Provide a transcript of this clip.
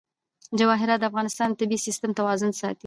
جواهرات د افغانستان د طبعي سیسټم توازن ساتي.